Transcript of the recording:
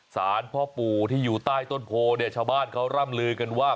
สารพ่อปู่ที่อยู่ใต้ต้นโพเนี่ยชาวบ้านเขาร่ำลือกันว่า